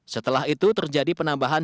setelah itu terjadi penambahan